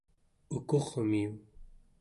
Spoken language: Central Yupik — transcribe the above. ukurmiu